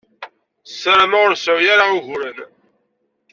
Ssarameɣ ur nseɛɛu ara uguren.